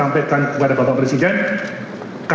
bina pak rusek